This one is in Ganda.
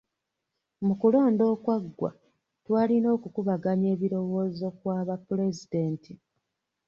Mu kulonda okwaggwa twalina okukubaganya ebirowoozo kwa ba pulezidenti.